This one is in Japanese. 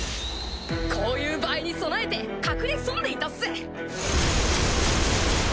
こういう場合に備えて隠れ潜んでいたっす！